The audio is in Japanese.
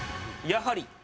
やはり。